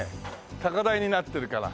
高台になってるから。